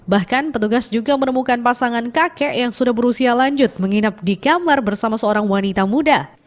bahkan petugas juga menemukan pasangan kakek yang sudah berusia lanjut menginap di kamar bersama seorang wanita muda